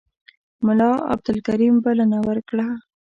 ملا عبدالکریم بلنه ورکړه.